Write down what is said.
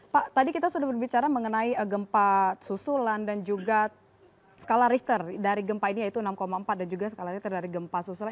pak tadi kita sudah berbicara mengenai gempa susulan dan juga skala richter dari gempa ini yaitu enam empat dan juga skala richter dari gempa susulan